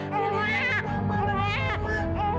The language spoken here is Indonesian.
dia di rumah pertama